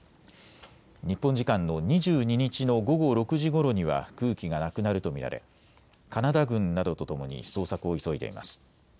日本時間の２２日の午後６時ごろには空気がなくなると見られカナダ軍などとともに捜索を急いでいます。